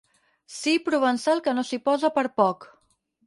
Sí provençal que no s'hi posa per poc.